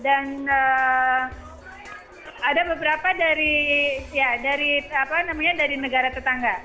dan ada beberapa dari negara tetangga